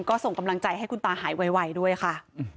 ก็ส่งกำลังใจให้คุณตาหายไวด้วยค่ะ